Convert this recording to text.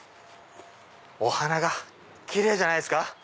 お花がキレイじゃないですか。